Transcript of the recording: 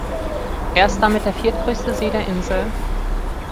Er ist damit der viertgrößte See der Insel.